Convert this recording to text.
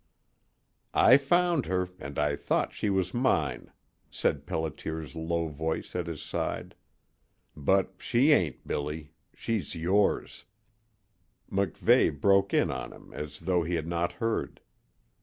"I found her, and I thought she was mine," said Pelliter's low voice at his side. "But she ain't, Billy. She's yours." MacVeigh broke in on him as though he had not heard.